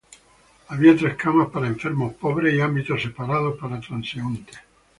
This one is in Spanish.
Había tres camas para enfermos pobres y ámbitos separados para transeúntes.